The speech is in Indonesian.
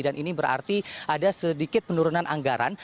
ini berarti ada sedikit penurunan anggaran